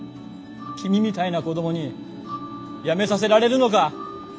君みたいな子供に辞めさせられるのか。